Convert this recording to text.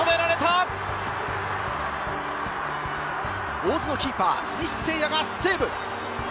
大津のキーパー・西星哉がセーブ。